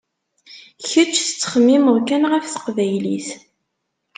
Kečč tettxemmimeḍ kan ɣef teqbaylit.